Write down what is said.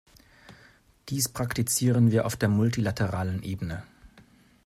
Dies praktizieren wir auf der multilateralen Ebene.